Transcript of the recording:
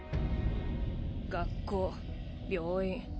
学校病院